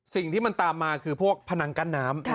สิ่งที่มันตามมาคือพวกพนังกั้นน้ำ